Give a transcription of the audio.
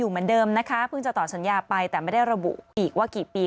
เพิ่มจะต่อสัญญาไปแต่ไม่ได้ระบุอีกว่ากี่ปี